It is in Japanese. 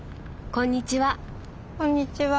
こんにちは。